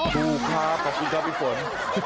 ดูครับขอบคุณครับพี่ฝน